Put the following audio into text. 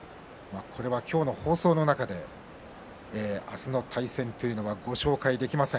今日の放送の中で明日の対戦というのはご紹介できません。